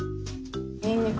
にんにく？